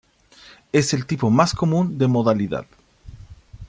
Es el tipo más común de modalidad.